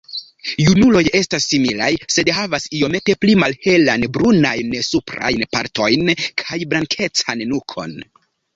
Junuloj estas similaj, sed havas iomete pli malhelan brunajn suprajn partojn kaj blankecan nukon.